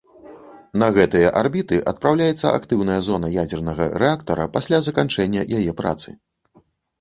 На гэтыя арбіты адпраўляецца актыўная зона ядзернага рэактара пасля заканчэння яе працы.